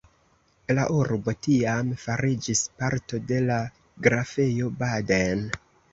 La urbo tiam fariĝis parto de la Grafejo Baden.